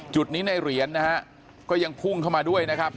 จุดนี้ในเหรียญนะฮะก็ยังพุ่งเข้ามาด้วยนะครับ